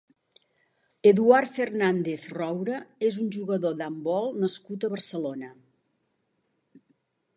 Eduard Fernández Roura és un jugador d'handbol nascut a Barcelona.